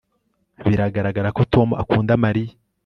Biragaragara ko Tom akunda Mariya